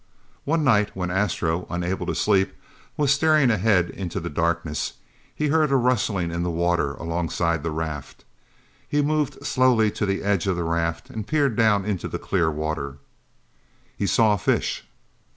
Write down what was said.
One night, when Astro, unable to sleep, was staring ahead into the darkness, he heard a rustling in the water alongside the raft. He moved slowly to the edge of the raft and peered down into the clear water. He saw a fish!